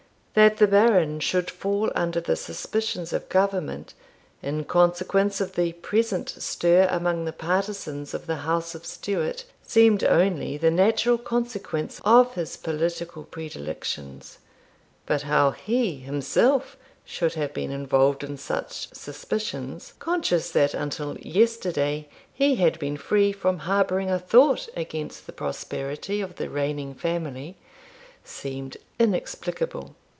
That the Baron should fall under the suspicions of government, in consequence of the present stir among the partisans of the house of Stuart, seemed only the natural consequence of his political predilections; but how HE himself should have been involved in such suspicions, conscious that until yesterday he had been free from harbouring a thought against the prosperity of the reigning family, seemed inexplicable.